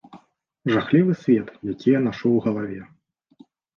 Жахлівы свет, які я нашу ў галаве.